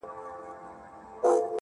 o ښه موده کيږي چي هغه مجلس ته نه ورځمه.